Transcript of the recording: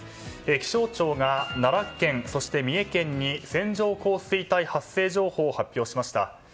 気象庁が奈良県、そして三重県に線上降水帯発生情報を発表しました。